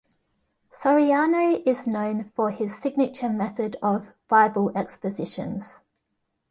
Soriano is known for his signature method of "Bible Expositions".